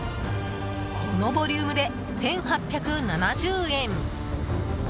このボリュームで１８７０円。